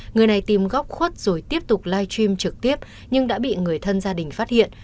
người này tìm góc khuất rồi tiếp tục live stream trực tiếp nhưng đã bị người thân gia đình phát hiện